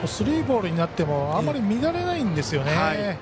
スリーボールになってもあんまり乱れないんですよね。